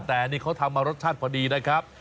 แต่นี่เขาทำมารสชาติพอดีนะครับ